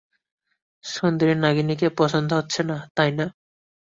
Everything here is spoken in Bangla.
সুন্দরী নাগিনীকে পছন্দ হচ্ছে না, তাই না?